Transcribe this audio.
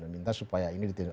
minta supaya ini ditiru